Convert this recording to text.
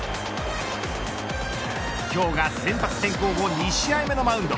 今日が先発転向後２試合目のマウンド。